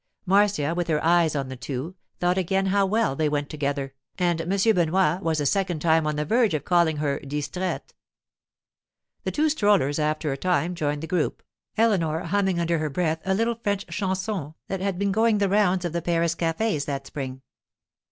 Marcia, with her eyes on the two, thought again how well they went together, and M. Benoit was a second time on the verge of calling her distraite. The two strollers after a time joined the group, Eleanor humming under her breath a little French chanson that had been going the rounds of the Paris cafés that spring.